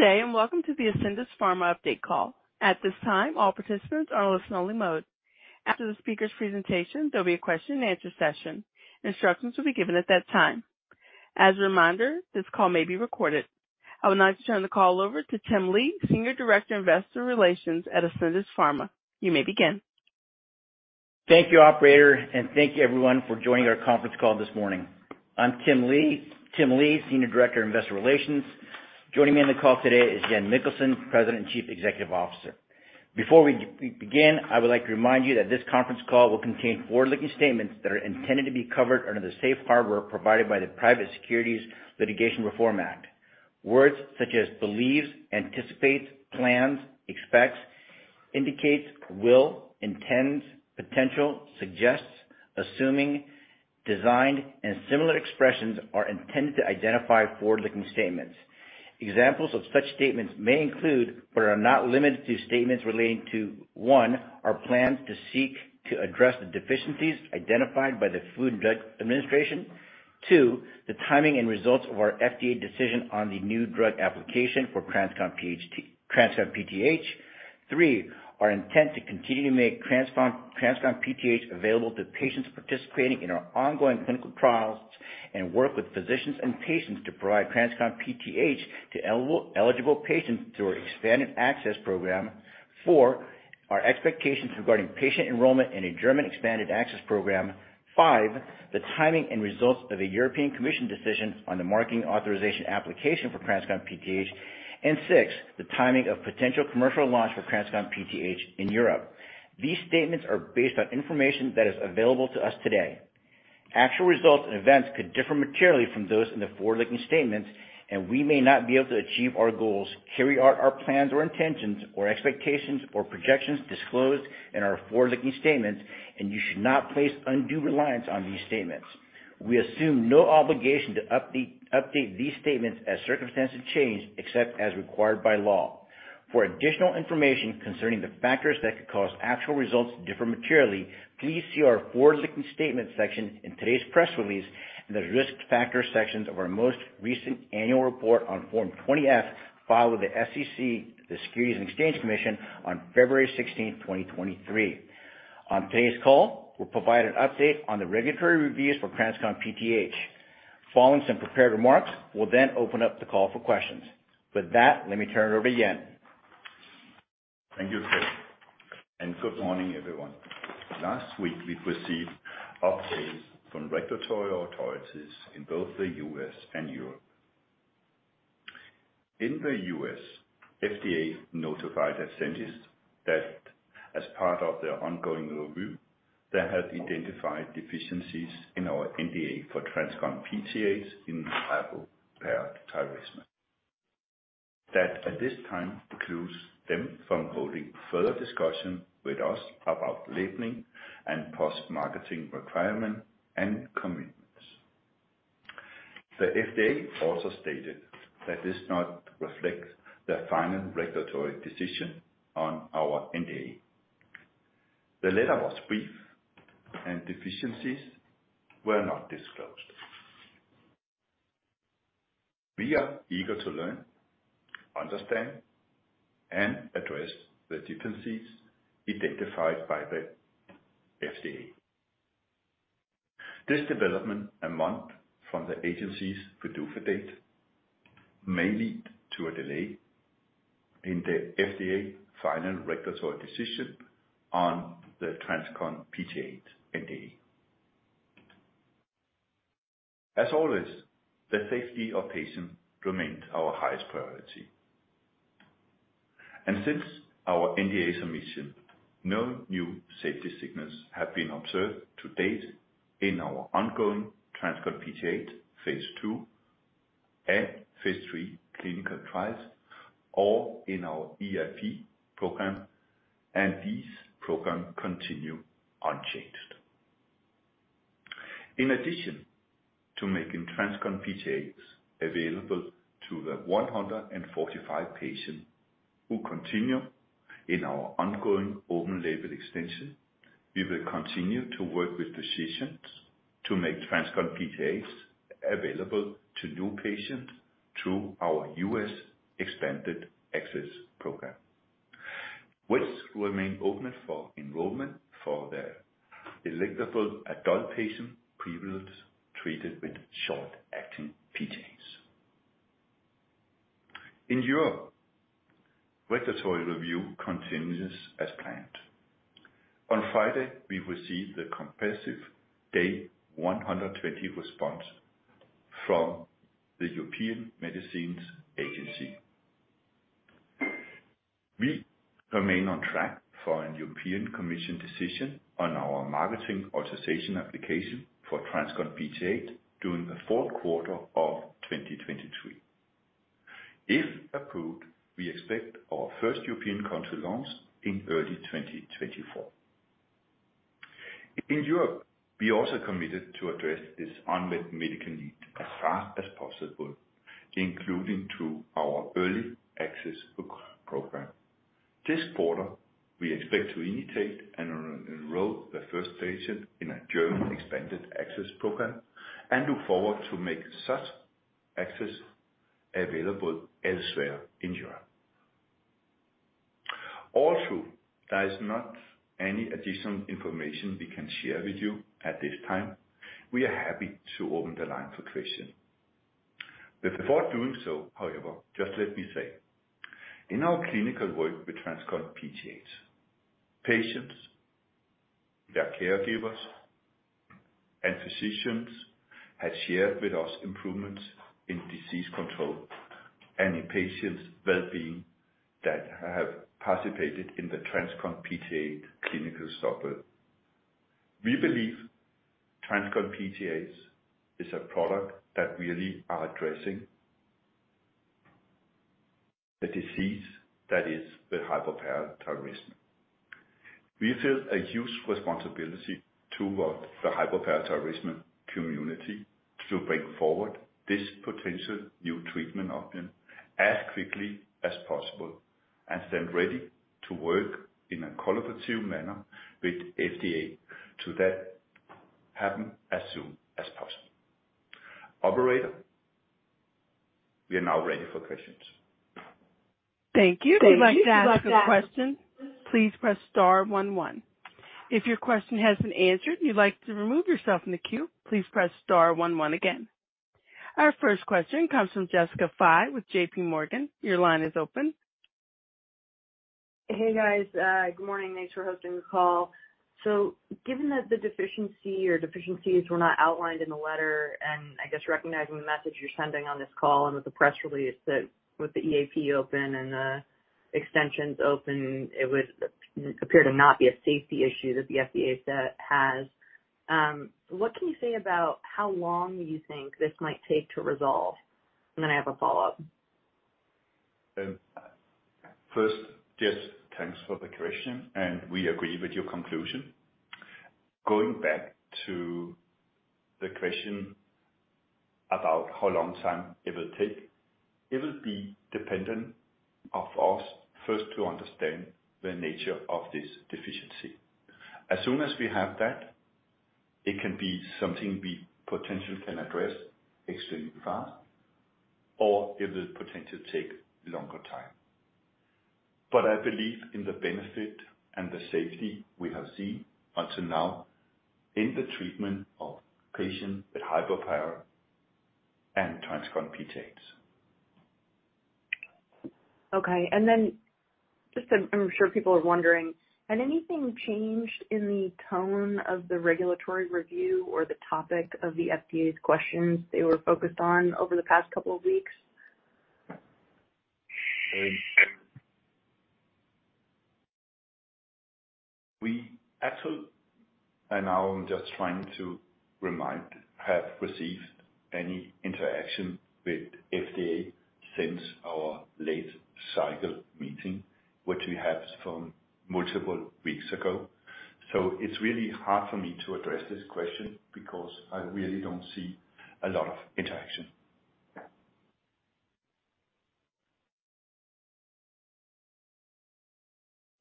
Good day. Welcome to the Ascendis Pharma update call. At this time, all participants are in listen only mode. After the speaker's presentation, there'll be a question and answer session. Instructions will be given at that time. As a reminder, this call may be recorded. I would now like to turn the call over to Tim Lee, Senior Director, Investor Relations at Ascendis Pharma. You may begin. Thank you, operator. Thank you everyone for joining our conference call this morning. I'm Tim Lee, Senior Director of Investor Relations. Joining me on the call today is Jan Mikkelsen, President, Chief Executive Officer. Before we begin, I would like to remind you that this conference call will contain forward-looking statements that are intended to be covered under the safe harbor provided by the Private Securities Litigation Reform Act. Words such as believes, anticipates, plans, expects, indicates, will, intends, potential, suggests, assuming, designed, and similar expressions are intended to identify forward-looking statements. Examples of such statements may include, but are not limited to, statements relating to, one, our plans to seek to address the deficiencies identified by the Food and Drug Administration. two, the timing and results of our FDA decision on the new drug application for TransCon PTH. Three, our intent to continue to make TransCon PTH available to patients participating in our ongoing clinical trials, and work with physicians and patients to provide TransCon PTH to eligible patients through our expanded access program. Four, our expectations regarding patient enrollment in a German expanded access program. Five, the timing and results of a European Commission decision on the marketing authorization application for TransCon PTH. Six, the timing of potential commercial launch for TransCon PTH in Europe. These statements are based on information that is available to us today. Actual results and events could differ materially from those in the forward-looking statements, and we may not be able to achieve our goals, carry out our plans or intentions or expectations or projections disclosed in our forward-looking statements, and you should not place undue reliance on these statements. We assume no obligation to update these statements as circumstances change, except as required by law. For additional information concerning the factors that could cause actual results to differ materially, please see our forward-looking statements section in today's press release and the Risk Factor sections of our most recent annual report on Form 20-F, filed with the SEC, the Securities and Exchange Commission, on February 16th, 2023. On today's call, we'll provide an update on the regulatory reviews for TransCon PTH. Following some prepared remarks, we'll open up the call for questions. With that, let me turn it over to Jan. Thank you, Tim. Good morning, everyone. Last week, we received updates from regulatory authorities in both the U.S. and Europe. In the U.S., FDA notified Ascendis that as part of their ongoing review, they have identified deficiencies in our NDA for TransCon PTH in hypoparathyroidism. That, at this time, precludes them from holding further discussion with us about labeling and post-marketing requirements and commitments. The FDA also stated that this does not reflect their final regulatory decision on our NDA. The letter was brief and deficiencies were not disclosed. We are eager to learn, understand, and address the deficiencies identified by the FDA. This development, a month from the agency's PDUFA date, may lead to a delay in the FDA final regulatory decision on the TransCon PTH NDA. As always, the safety of patients remains our highest priority. Since our NDA submission, no new safety signals have been observed to date in our ongoing TransCon PTH phase II and phase III clinical trials or in our EAP program, and these programs continue unchanged. In addition to making TransCon PTH available to the 145 patients who continue in our ongoing open-label extension, we will continue to work with decisions to make TransCon PTH available to new patients through our U.S. expanded access program, which remains open for enrollment for the eligible adult patient previously treated with short-acting PTHs. In Europe, regulatory review continues as planned. On Friday, we received a comprehensive day 120 response from the European Medicines Agency. We remain on track for an European Commission decision on our marketing authorisation application for TransCon PTH during the fourth quarter of 2023. If approved, we expect our first European country launch in early 2024. In Europe, we also committed to address this unmet medical need as fast as possible, including to our early access program. This quarter, we expect to initiate and enroll the first patient in a German Expanded Access Program and look forward to make such access available elsewhere in Europe. There is not any additional information we can share with you at this time. We are happy to open the line for questions. Before doing so, however, just let me say, in our clinical work with TransCon PTH, patients, their caregivers, and physicians have shared with us improvements in disease control and in patients' well-being that have participated in the TransCon PTH clinical study. We believe TransCon PTH is a product that really are addressing the disease that is the hypoparathyroidism. We feel a huge responsibility towards the hypoparathyroidism community to bring forward this potential new treatment option as quickly as possible and stand ready to work in a collaborative manner with FDA to that happen as soon as possible. Operator, we are now ready for questions. Thank you. If you would like to ask a question, please press star one one. If your question has been answered and you'd like to remove yourself from the queue, please press star one one again. Our first question comes from Jessica Fye with JPMorgan. Your line is open. Hey, guys. Good morning. Thanks for hosting the call. Given that the deficiency or deficiencies were not outlined in the letter, and I guess recognizing the message you're sending on this call and with the press release that with the EAP open and the extensions open, it would appear to not be a safety issue that the FDA has. What can you say about how long you think this might take to resolve? Then I have a follow-up. First, just thanks for the question, we agree with your conclusion. Going back to the question about how long time it will take, it will be dependent of us first to understand the nature of this deficiency. As soon as we have that, it can be something we potentially can address extremely fast, or it will potentially take longer time. I believe in the benefit and the safety we have seen until now in the treatment of patients with hypoparathyroidism and TransCon PTH. Okay. Then just I'm sure people are wondering, had anything changed in the tone of the regulatory review or the topic of the FDA's questions they were focused on over the past couple of weeks? We actually are now just trying to remind have received any interaction with FDA since our late-cycle meeting, which we had from multiple weeks ago. It's really hard for me to address this question because I really don't see a lot of interaction.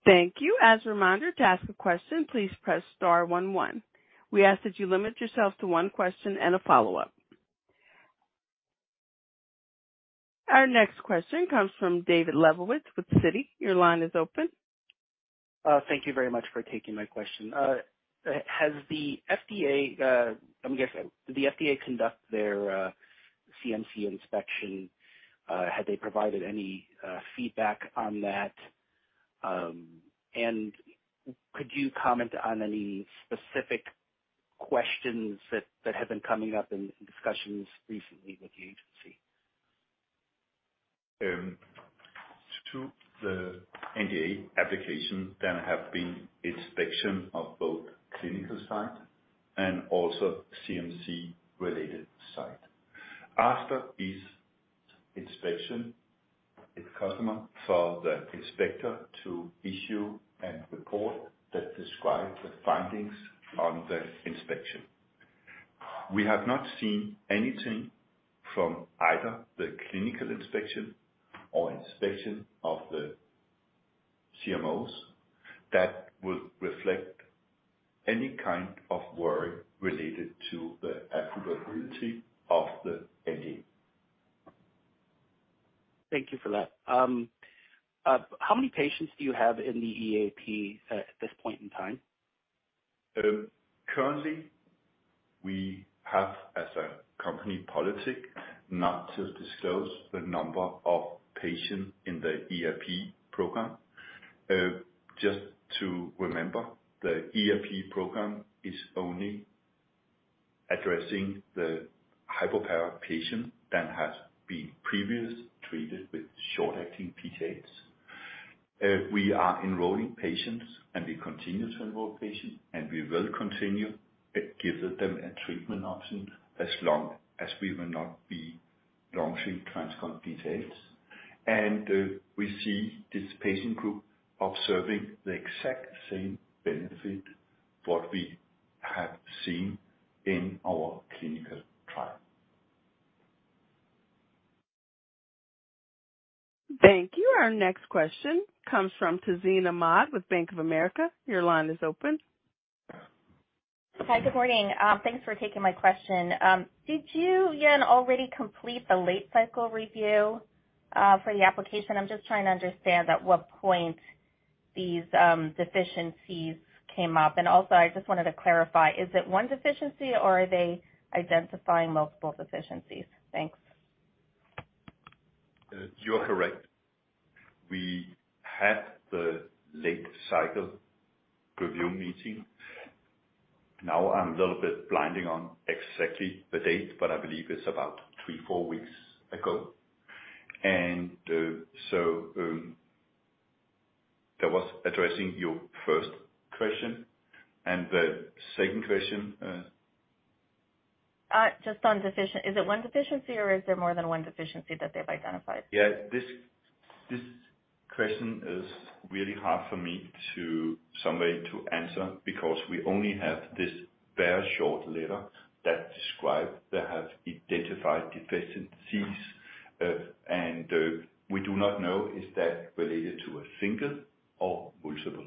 Thank you. As a reminder, to ask a question, please press star one one. We ask that you limit yourself to one question and a follow-up. Our next question comes from David Lebowitz with Citi. Your line is open. Thank you very much for taking my question. Has the FDA, I guess, did the FDA conduct their CMC inspection? Have they provided any feedback on that? Could you comment on any specific questions that have been coming up in discussions recently with the agency? To the NDA application, there have been inspection of both clinical site and also CMC-related site. After this inspection, it's custom for the inspector to issue a report that describes the findings on the inspection. We have not seen anything from either the clinical inspection or inspection of the CMOs that would reflect any kind of worry related to the approval of the NDA. Thank you for that. How many patients do you have in the EAP at this point in time? Currently, we have as a company policy not to disclose the number of patients in the EAP program. Just to remember, the EAP program is only addressing the hypoparathyroidism patient that has been previously treated with short-acting PTHs. We are enrolling patients, and we continue to enroll patients, and we will continue. It gives them a treatment option as long as we will not be launching TransCon PTH. We see this patient group observing the exact same benefit what we have seen in our clinical trial. Thank you. Our next question comes from Tazeen Ahmad with Bank of America. Your line is open. Hi. Good morning. Thanks for taking my question. Did you, Jan, already complete the late-cycle review for the application? I'm just trying to understand at what point these deficiencies came up. Also, I just wanted to clarify, is it one deficiency, or are they identifying multiple deficiencies? Thanks. You are correct. We had the late-cycle review meeting. I'm a little bit blinding on exactly the date, but I believe it's about three, four weeks ago. That was addressing your first question. The second question? Just on deficient. Is it one deficiency, or is there more than one deficiency that they've identified? Yeah. This question is really hard for me someday to answer because we only have this very short letter that describe they have identified deficiencies. We do not know is that related to a single or multiple?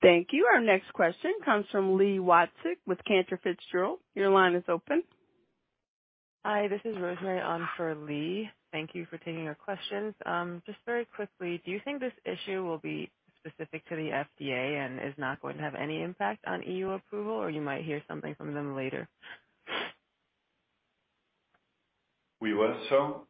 Thank you. Our next question comes from Li Watsek with Cantor Fitzgerald. Your line is open. Hi, this is Rosemary on for Li. Thank you for taking our questions. Just very quickly, do you think this issue will be specific to the FDA and is not going to have any impact on EU approval, or you might hear something from them later? We were so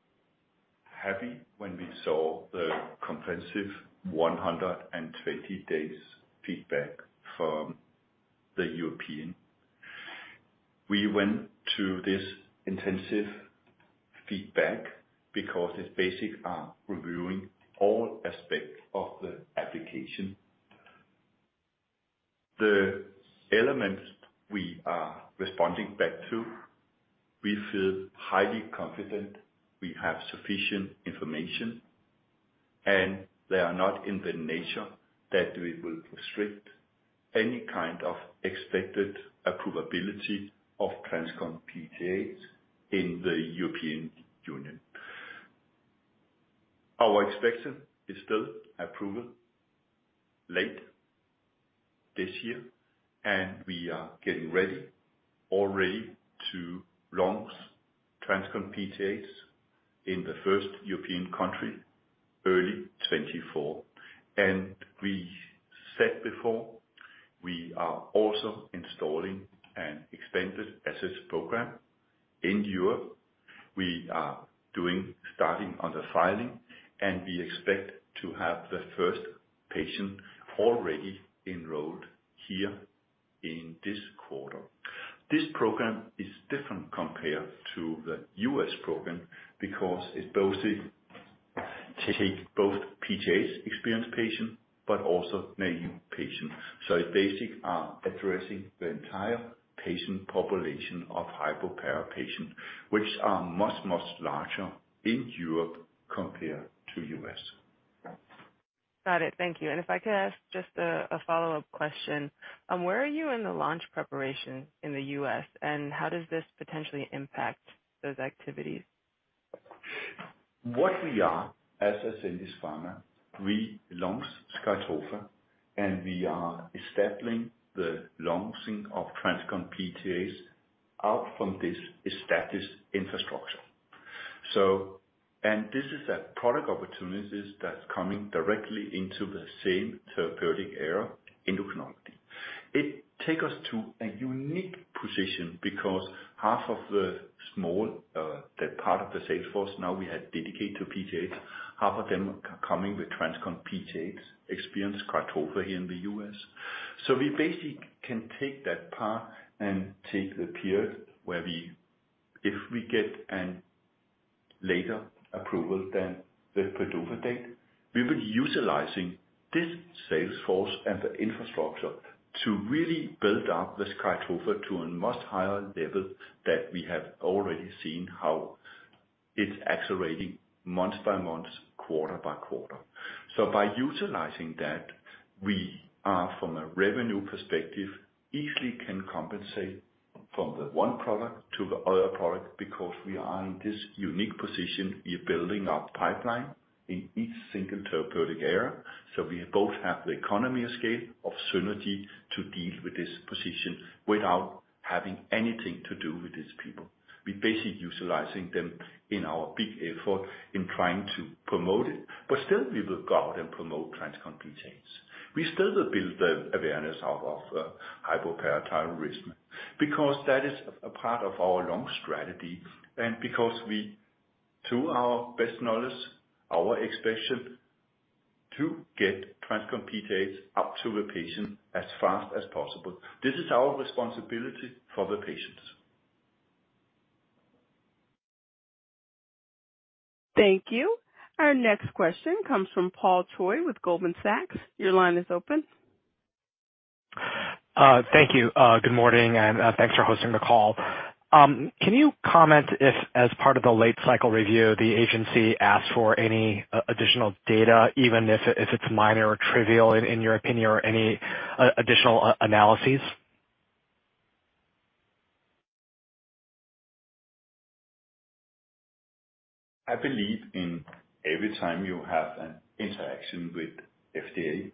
happy when we saw the comprehensive 120 days feedback from the European. We went to this intensive feedback because it's basic, reviewing all aspects of the application. The elements we are responding back to, we feel highly confident we have sufficient information, and they are not in the nature that it will restrict any kind of expected approvability of TransCon PTH in the European Union. Our expectation is still approval late this year, and we are getting ready already to launch TransCon PTH in the first European country early 2024. We said before, we are also installing a Named Patient Program in Europe. We are starting on the filing, and we expect to have the first patient already enrolled here in this quarter. This program is different compared to the U.S. program because it's both the. Take both PTHs experienced patient but also naive patient. It's basic, addressing the entire patient population of hypoparathyroidism, which are much, much larger in Europe compared to U.S. Got it. Thank you. If I could ask just a follow-up question. Where are you in the launch preparation in the U.S., and how does this potentially impact those activities? What we are as a specialty pharma, we launched SKYTROFA, and we are establishing the launching of TransCon PTHs out from this established infrastructure. This is a product opportunities that's coming directly into the same therapeutic area in the chronology. It take us to a unique position because half of the small, the part of the sales force now we have dedicated to PTHs, half of them are coming with TransCon PTH experience SKYTROFA here in the U.S. We basically can take that path and take the period where if we get an later approval than the PDUFA date, we'll be utilizing this sales force and the infrastructure to really build up the SKYTROFA to a much higher level that we have already seen how it's accelerating month by month, quarter by quarter. By utilizing that, we are from a revenue perspective, easily can compensate from the one product to the other product because we are in this unique position in building up pipeline in each single therapeutic area. We both have the economy of scale of synergy to deal with this position without having anything to do with these people. We're basically utilizing them in our big effort in trying to promote it, but still we will go out and promote TransCon PTH. We still will build the awareness of hypoparathyroidism because that is a part of our long strategy, and because we, to our best knowledge, our expectation to get TransCon PTH out to the patient as fast as possible. This is our responsibility for the patients. Thank you. Our next question comes from Paul Choi with Goldman Sachs. Your line is open. Thank you. Good morning, and thanks for hosting the call. Can you comment if, as part of the late cycle review, the agency asked for any additional data, even if it's minor or trivial, in your opinion, or any additional analyses? I believe in every time you have an interaction with FDA,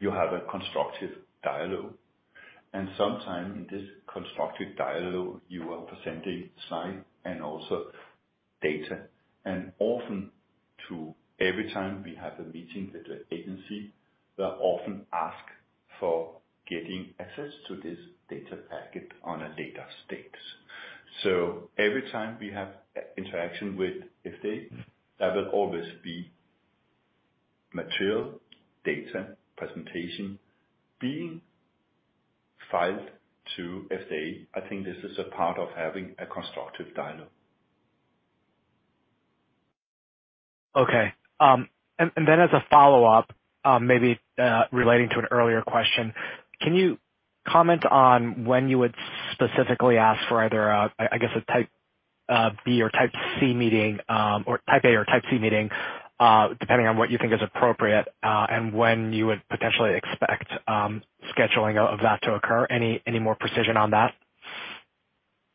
you have a constructive dialogue. Sometimes in this constructive dialogue, you are presenting science and also data. Often to every time we have a meeting with the agency, they often ask for getting access to this data packet on a date of stakes. Every time we have interaction with FDA, there will always be material data presentation being filed to FDA. I think this is a part of having a constructive dialogue. Okay. Then as a follow-up, maybe relating to an earlier question, can you comment on when you would specifically ask for either a Type B or Type C meeting, or Type A or Type C meeting, depending on what you think is appropriate, and when you would potentially expect scheduling of that to occur? Any more precision on that?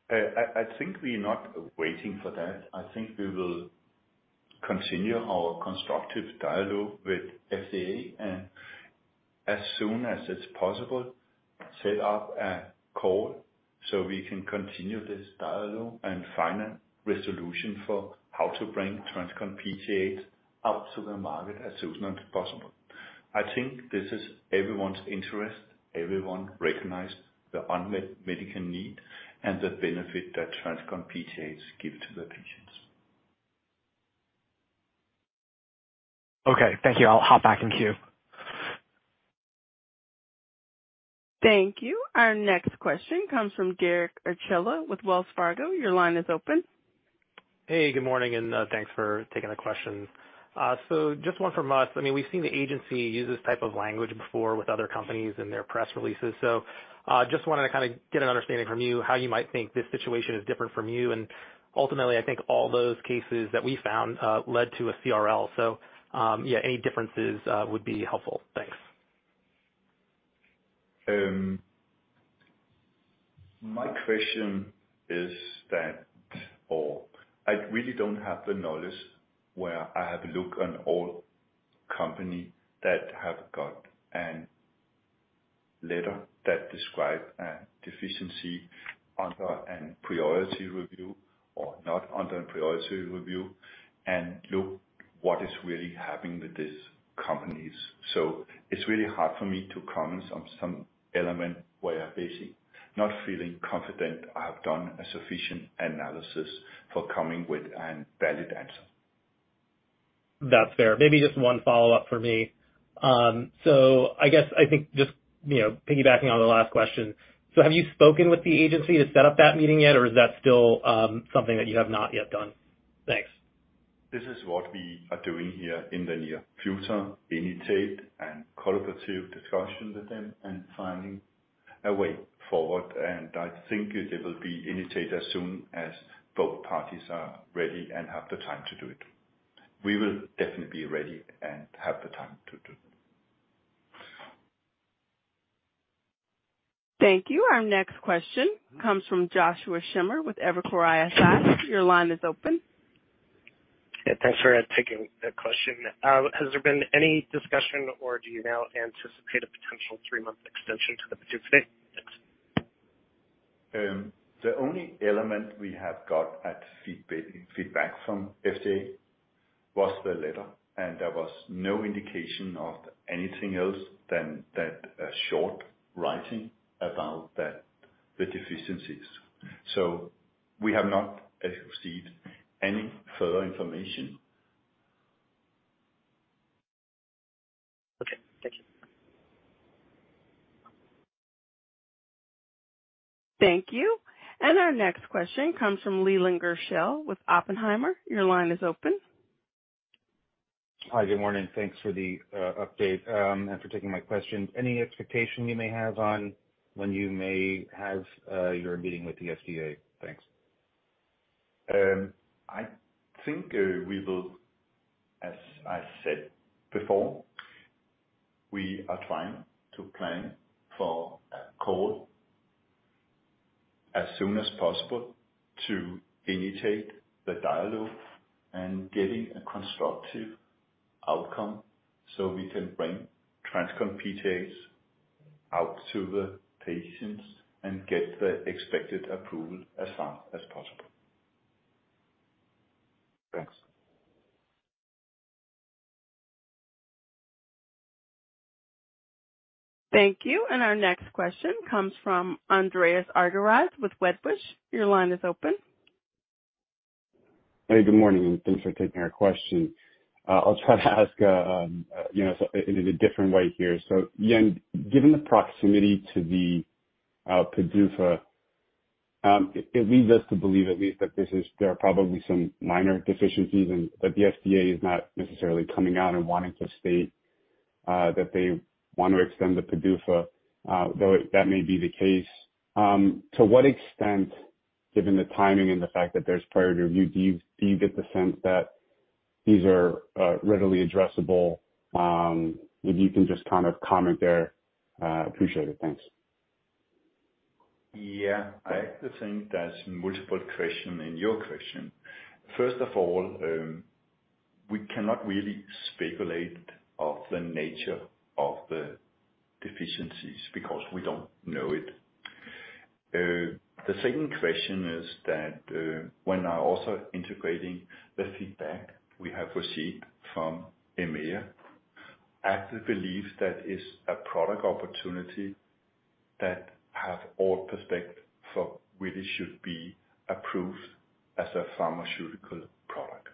I think we're not waiting for that. I think we will continue our constructive dialogue with FDA and as soon as it's possible, set up a call so we can continue this dialogue and find a resolution for how to bring TransCon PTH out to the market as soon as possible. I think this is everyone's interest. Everyone recognize the unmet medical need and the benefit that TransCon PTHs give to the patients. Okay. Thank you. I'll hop back in queue. Thank you. Our next question comes from Derek Archila with Wells Fargo. Your line is open. Hey, good morning, and thanks for taking the question. Just one from us. I mean, we've seen the agency use this type of language before with other companies in their press releases. Just wanted to kind of get an understanding from you how you might think this situation is different from you. Ultimately, I think all those cases that we found led to a CRL. Yeah, any differences would be helpful. Thanks. My question is that or I really don't have the knowledge where I have looked on all company that have got an letter that describe a deficiency under an priority review or not under a priority review and look what is really happening with these companies. It's really hard for me to comment on some element where I'm basically not feeling confident I have done a sufficient analysis for coming with a valid answer. That's fair. Maybe just one follow-up for me. I guess, I think just, you know, piggybacking on the last question. Have you spoken with the agency to set up that meeting yet, or is that still something that you have not yet done? Thanks. This is what we are doing here in the near future, initiate and collaborative discussions with them and finding a way forward. I think it will be initiated as soon as both parties are ready and have the time to do it. We will definitely be ready and have the time to do it. Thank you. Our next question comes from Josh Schimmer with Evercore ISI. Your line is open. Yeah, Thanks for taking the question. Has there been any discussion or do you now anticipate a potential 3-month extension to the due date? Thanks. The only element we have got at feedback from FDA was the letter. There was no indication of anything else than that short writing about the deficiencies. We have not received any further information. Okay, thank you. Thank you. Our next question comes from Leland Gershell with Oppenheimer. Your line is open. Hi, good morning. Thanks for the update, and for taking my question. Any expectation you may have on when you may have your meeting with the FDA? Thanks. I think, as I said before, we are trying to plan for a call as soon as possible to initiate the dialogue and getting a constructive outcome so we can bring TransCon PTHs out to the patients and get the expected approval as soon as possible. Thanks. Thank you. Our next question comes from Andreas Argyrides with Wedbush. Your line is open. Good morning, and thanks for taking our question. I'll try to ask, you know, in a different way here. Again, given the proximity to the PDUFA, it leads us to believe at least that this is... There are probably some minor deficiencies and that the FDA is not necessarily coming out and wanting to state that they want to extend the PDUFA, though that may be the case. To what extent, given the timing and the fact that there's prior review, do you get the sense that these are readily addressable? If you can just kind of comment there, appreciate it. Thanks. Yeah. I have to think there's multiple question in your question. First of all, we cannot really speculate of the nature of the deficiencies because we don't know it. The second question is that, when I also integrating the feedback we have received from EMA, active belief that is a product opportunity that have all prospects for really should be approved as a pharmaceutical product.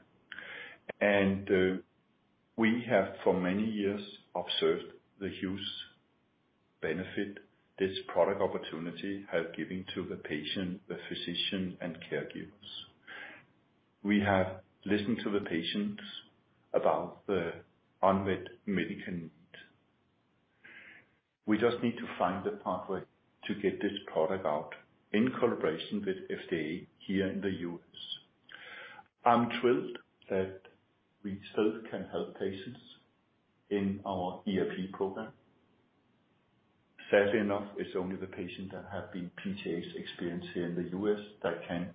We have for many years observed the huge benefit this product opportunity have given to the patient, the physician, and caregivers. We have listened to the patients about the unmet medical need. We just need to find a pathway to get this product out in collaboration with FDA here in the U.S.. I'm thrilled that we still can help patients in our EAP program. Sadly enough, it's only the patient that have been PTH experienced here in the U.S. that can,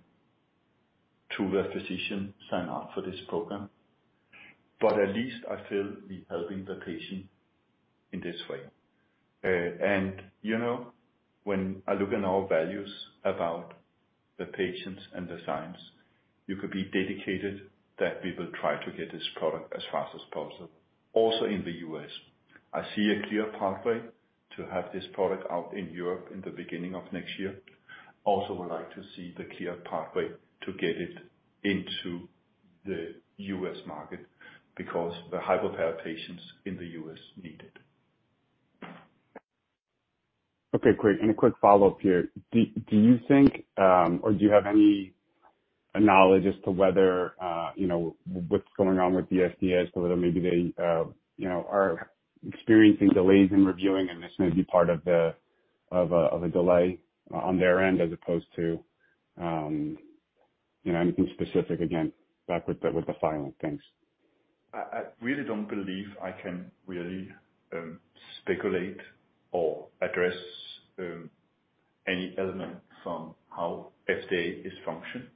through their physician, sign up for this program. At least I feel we're helping the patient in this way. You know, when I look at our values about the patients and the science, you could be dedicated that we will try to get this product as fast as possible, also in the U.S.. I see a clear pathway to have this product out in Europe in the beginning of next year. Also would like to see the clear pathway to get it into the U.S. market because the hypoparath patients in the U.S. need it. Okay, great. A quick follow-up here. Do you think, or do you have any knowledge as to whether, you know, what's going on with the FDA as to whether maybe they, you know, are experiencing delays in reviewing and this may be part of the, of a, of a delay on their end as opposed to, you know, anything specific, again, back with the, with the filing? Thanks. I really don't believe I can really speculate or address any element from how FDA is functioned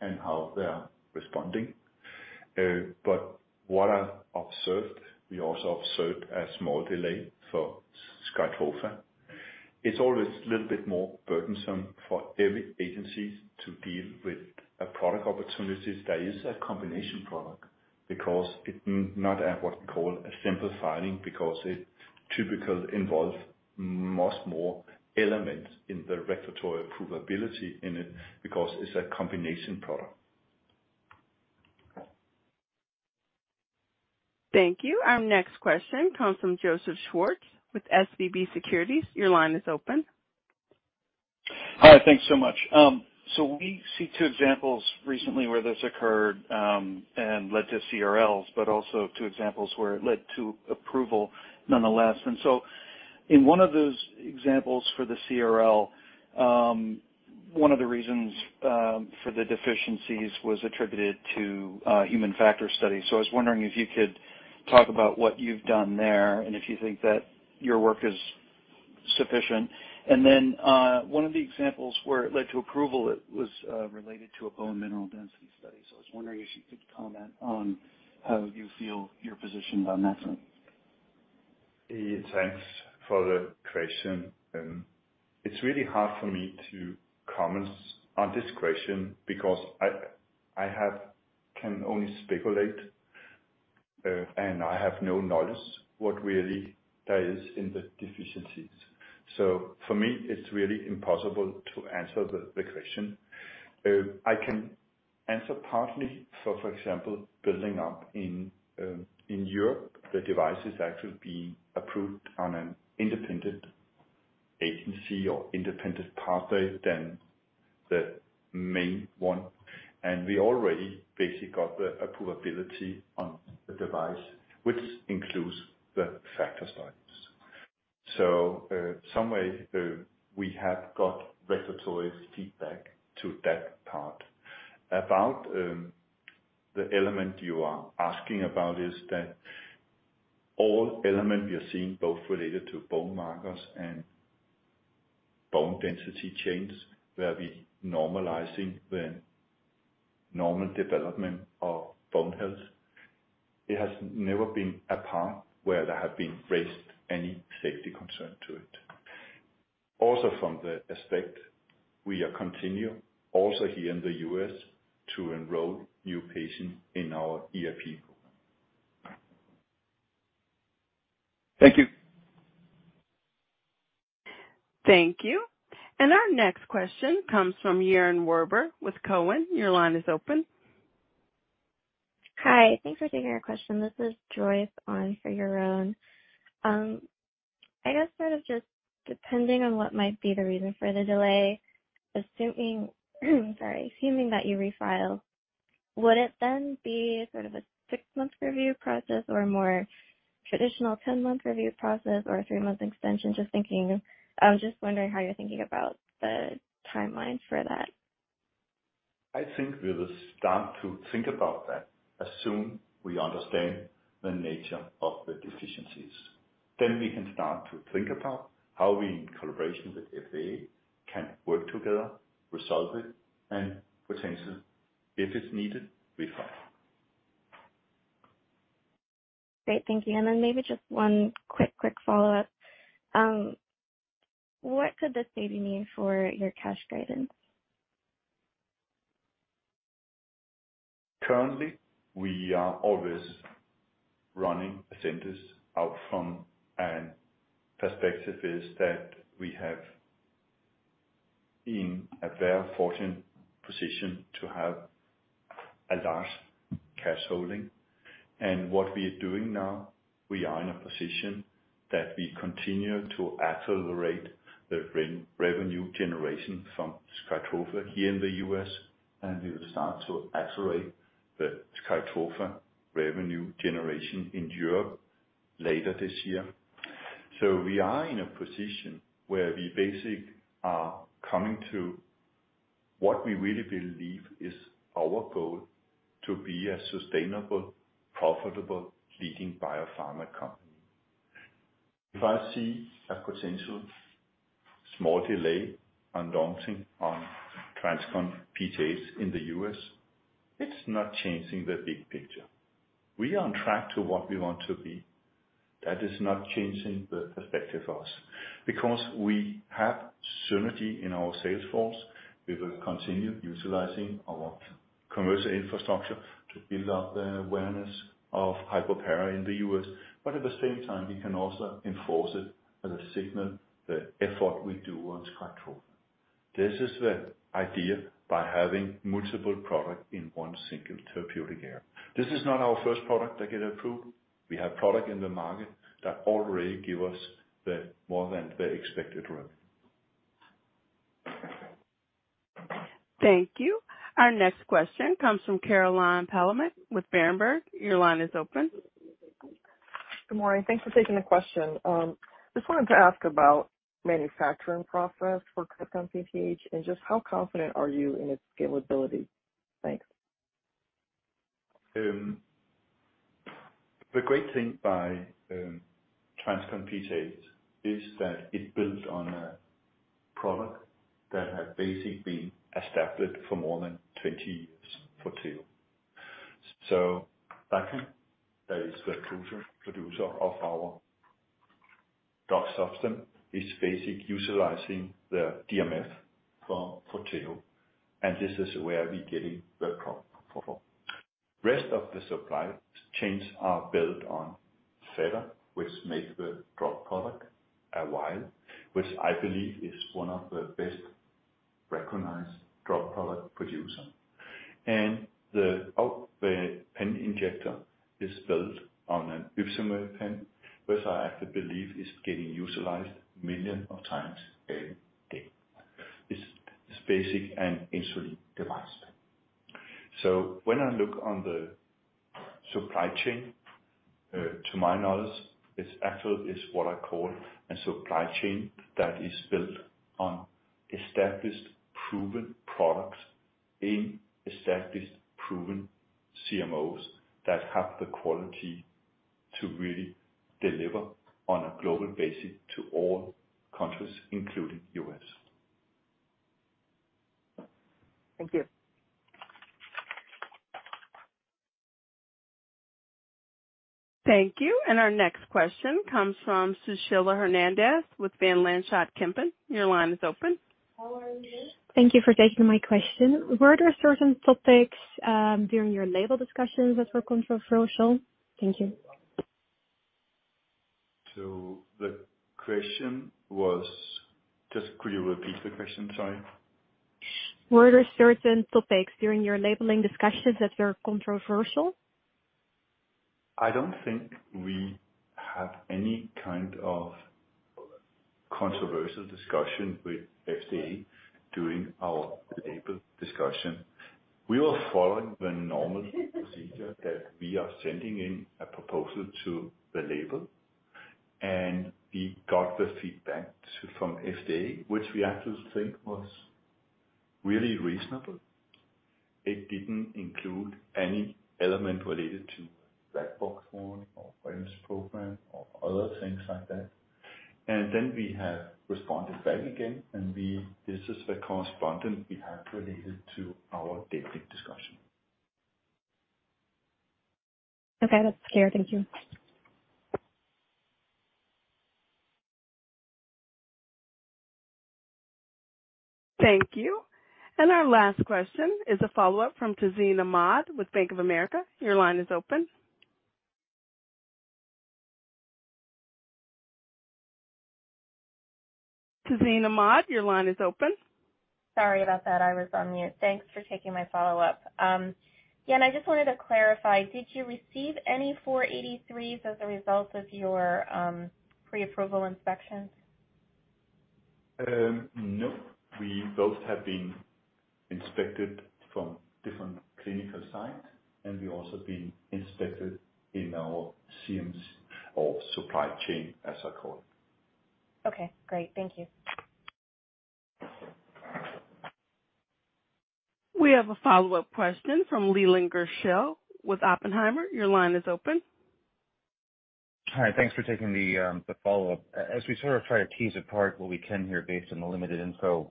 and how they are responding. What I observed, we also observed a small delay for SKYTROFA. It's always a little bit more burdensome for every agency to deal with a product opportunity that is a combination product because it's not at what we call a simple filing because it typically involves much more elements in the regulatory approvability in it because it's a combination product. Thank you. Our next question comes from Joseph Schwartz with SVB Securities. Your line is open. Hi. Thanks so much. We see two examples recently where this occurred, led to CRLs, but also two examples where it led to approval nonetheless. In one of those examples for the CRL, one of the reasons, for the deficiencies was attributed to a human factors study. I was wondering if you could talk about what you've done there, and if you think that your work is sufficient. One of the examples where it led to approval, it was related to a bone mineral density study. I was wondering if you could comment on how you feel you're positioned on that front. Thanks for the question. It's really hard for me to comment on this question because I can only speculate, and I have no knowledge what really there is in the deficiencies. For me it's really impossible to answer the question. I can answer partly for example, building up in Europe, the device is actually being approved on an independent agency or independent pathway than the main one. We already basically got the approvability on the device, which includes the factor studies. Some way, we have got regulatory's feedback to that part. About the element you are asking about is that all element we are seeing both related to bone markers and bone density changes where we normalizing the normal development of bone health. It has never been a part where there have been raised any safety concern to it. Also from the aspect we are continue also here in the U.S. to enroll new patients in our EAP. Thank you. Thank you. Our next question comes from Yaron Werber with Cowen. Your line is open. Hi, thanks for taking our question. This is Joyce on for Yaron. I guess sort of just depending on what might be the reason for the delay, assuming that you refile, would it then be sort of a six-month review process or a more traditional 10-month review process or a three-month extension? I was just wondering how you're thinking about the timeline for that. I think we will start to think about that as soon we understand the nature of the deficiencies. We can start to think about how we, in collaboration with FDA, can work together, resolve it, and potentially, if it's needed, refile. Great. Thank you. Then maybe just one quick follow-up. What could this maybe mean for your cash guidance? Currently, we are always running Ascendis out from an perspective is that we have been a very fortunate position to have a large cash holding. What we are doing now, we are in a position that we continue to accelerate the re-revenue generation from SKYTROFA here in the U.S., and we will start to accelerate the SKYTROFA revenue generation in Europe later this year. We are in a position where we basically are coming to what we really believe is our goal to be a sustainable, profitable leading biopharma company. If I see a potential small delay on launching on TransCon PTH in the U.S., it's not changing the big picture. We are on track to what we want to be. That is not changing the perspective for us. We have synergy in our sales force, we will continue utilizing our commercial infrastructure to build up the awareness of hyperparathyroidism in the U.S. At the same time, we can also enforce it as a signal, the effort we do on SKYTROFA. This is the idea by having multiple product in one single therapeutic area. This is not our first product that get approved. We have product in the market that already give us the more than the expected revenue. Thank you. Our next question comes from Caroline Palomeque with Berenberg. Your line is open. Good morning. Thanks for taking the question. Just wanted to ask about manufacturing process for TransCon PTH and just how confident are you in its scalability? Thanks. The great thing by TransCon PTH is that it builds on a product that has basically been established for more than 20 years, Forteo. That is the producer of our drug substance is basic utilizing the DMF for, Forteo, and this is where we're getting the product from. Rest of the supply chains are built on [Fareva], which make the drug product a while, which I believe is one of the best recognized drug product producer. The pen injector is built on an Ypsomed pen, which I have to believe is getting utilized million of times every day. It's basic an insulin device. When I look on the supply chain, to my knowledge, it's actually is what I call a supply chain that is built on established, proven products in established, proven CMOs that have the quality to really deliver on a global basis to all countries, including U.S. Thank you. Thank you. Our next question comes from Sushila Hernandez with Van Lanschot Kempen. Your line is open. How are you doing? Thank you for taking my question. Were there certain topics, during your label discussions that were controversial? Thank you. Just could you repeat the question? Sorry. Were there certain topics during your labeling discussions that were controversial? I don't think we had any kind of controversial discussion with FDA during our label discussion. We were following the normal procedure that we are sending in a proposal to the label, and we got the feedback from FDA, which we actually think was really reasonable. It didn't include any element related to boxed warning or various program or other things like that. Then we have responded back again, and this is the correspondent we have related to our daily discussion. Okay. That's clear. Thank you. Thank you. Our last question is a follow-up from Tazeen Ahmad with Bank of America. Tazeen Ahmad, your line is open. Sorry about that. I was on mute. Thanks for taking my follow-up. Again, I just wanted to clarify, did you receive any 483s as a result of your pre-approval inspections? No. We both have been inspected from different clinical site. We also been inspected in our CMOs or supply chain, as I call it. Okay, great. Thank you. We have a follow-up question from Leland Gershell with Oppenheimer. Your line is open. Hi. Thanks for taking the follow-up. As we sort of try to tease apart what we can here based on the limited info,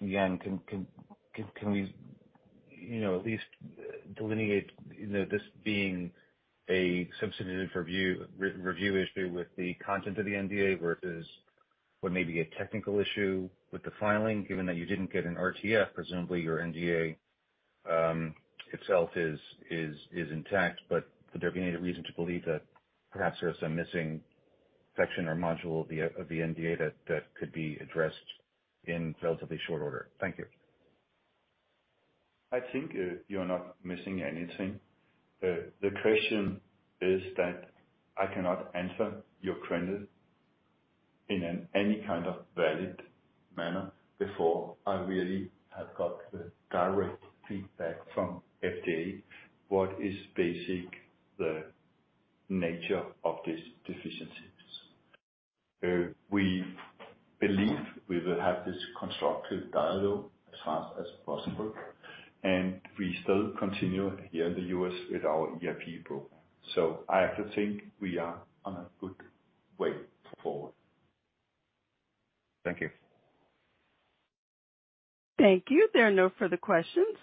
again, can we, you know, at least delineate, you know, this being a substantive review, re-review issue with the content of the NDA versus what may be a technical issue with the filing, given that you didn't get an RTF, presumably your NDA itself is intact. Would there be any reason to believe that perhaps there's some missing section or module of the NDA that could be addressed in relatively short order? Thank you. I think you're not missing anything. The question is that I cannot answer your query in any kind of valid manner before I really have got the direct feedback from FDA what is basic the nature of these deficiencies. We believe we will have this constructive dialogue as fast as possible, and we still continue here in the U.S. with our EAP group. I have to think we are on a good way forward. Thank you. Thank you. There are no further questions.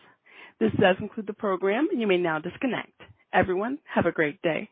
This does conclude the program, and you may now disconnect. Everyone, have a great day.